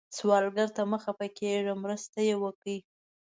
سوالګر ته مه خفه کېږئ، مرسته وکړئ